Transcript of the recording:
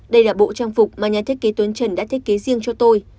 đây là bộ trang phục mà nhà thiết kế tuyến trần đã thiết kế riêng cho tôi